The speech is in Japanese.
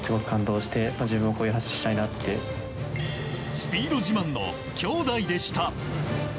スピード自慢の兄弟でした。